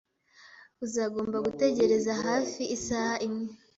Uzagomba gutegereza hafi isaha imwe